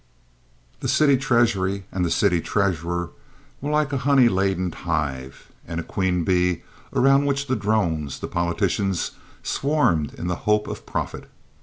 The city treasury and the city treasurer were like a honey laden hive and a queen bee around which the drones—the politicians—swarmed in the hope of profit.